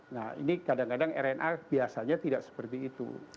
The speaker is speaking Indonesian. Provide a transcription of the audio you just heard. nah ini kadang kadang rna biasanya tidak seperti itu